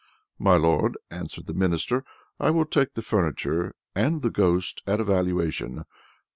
"My Lord," answered the Minister, "I will take the furniture and the ghost at a valuation.